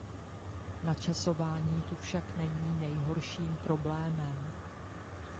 Načasování tu však není nejhorším problémem.